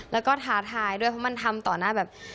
แล้วก็ท้าทายด้วยเพราะมันทำต่อหน้าแบบ